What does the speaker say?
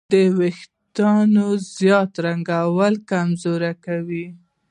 د وېښتیانو زیات رنګول یې کمزوري کوي.